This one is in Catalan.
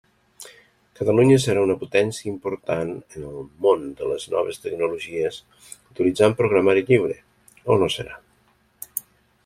Catalunya serà una potència important en el món de les noves tecnologies utilitzant programari lliure o no serà.